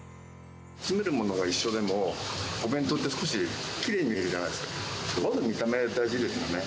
詰めるものが一緒でも、お弁当って少しきれいに見えるじゃないですか。